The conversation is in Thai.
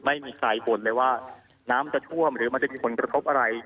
ไม่มีใครบ่นเลยว่าน้ำจะท่วมหรือมันจะมีผลกระทบอะไร